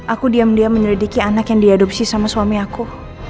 aku diam diam menyelidiki anak yang diadopsi sama suami aku